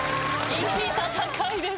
いい戦いです。